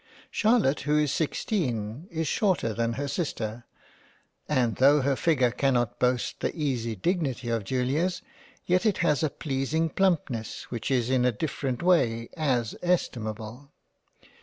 Charlotte who is just sixteen is shorter than her Sister, and though her figure cannot boast the easy dignity of Julia's, yet it has a pleasing plumpness which is in a different way as estimable.